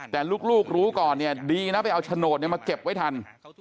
แต่ลูกรู้ก่อนเนี่ยดีนะไปเอาโฉนดมาเก็บไว้ทัน